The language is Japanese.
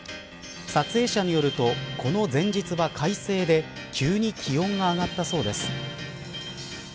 撮影者によるとこの前日は快晴で急に気温が上がったそうです。